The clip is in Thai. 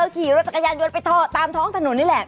ขี่รถจักรยานยนต์ไปท่อตามท้องถนนนี่แหละ